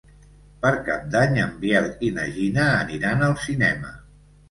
Per Cap d'Any en Biel i na Gina aniran al cinema.